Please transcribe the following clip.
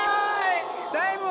タイムは。